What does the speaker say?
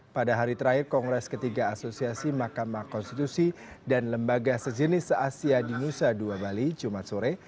pada hari terakhir kongres ketiga asosiasi mahkamah konstitusi dan lembaga sejenis asia di nusa dua bali jumat sore